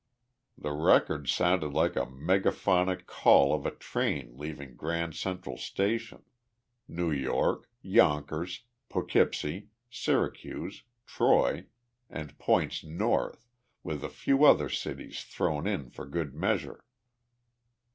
The record sounded like the megaphonic call of a train leaving Grand Central Station New York, Yonkers, Poughkeepsie, Syracuse, Troy, and points north, with a few other cities thrown in for good measure.